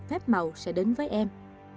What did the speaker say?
phép màu sẽ đến với em